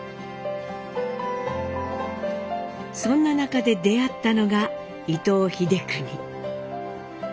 そんな中で出会ったのが伊藤英邦。